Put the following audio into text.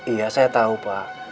iya saya tau pak